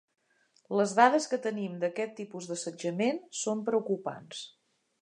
Les dades que tenim d'aquest tipus d'assetjament són preocupants.